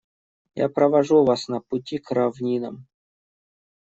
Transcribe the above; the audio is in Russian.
Я провожу вас на пути к равнинам.